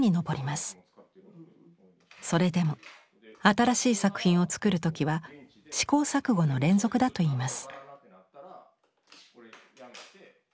それでも新しい作品を作る時は試行錯誤の連続だといいます。